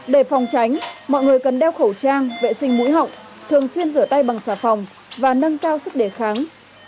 để phòng tránh mọi người cần đeo khẩu trang vệ sinh mũi họng thường xuyên rửa tay bằng xà phòng và nâng cao sức đề kháng